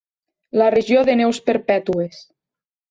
La regió de neus perpètues.